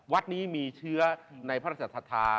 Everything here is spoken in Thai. วัดนี้มีเชื้อในพระราชศรัทธา